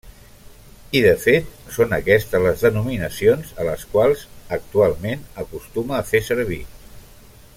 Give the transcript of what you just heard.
I, de fet, són aquestes les denominacions a les quals, actualment, acostuma a fer servir.